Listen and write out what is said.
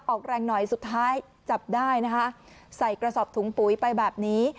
ออกแรงหน่อยสุดท้ายจับได้นะคะใส่กระสอบถุงปุ๋ยไปแบบนี้